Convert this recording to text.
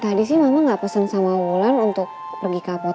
tadi sih mama ga pesen sama hulan untuk pergi ke apotek mana